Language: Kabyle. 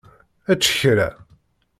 Ečč kra.